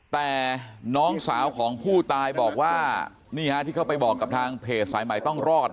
แต่น้องสาวของผู้ตายบอกว่านี่ฮะที่เขาไปบอกกับทางเพจสายใหม่ต้องรอด